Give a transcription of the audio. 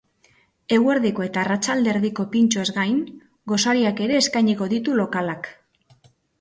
Eguerdiko eta arratsalde erdiko pintxoez gain, gosariak ere eskainiko ditu lokalak.